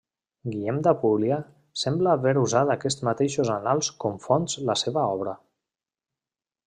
Guillem d'Apúlia sembla haver usat aquests mateixos annals com fonts la seva obra.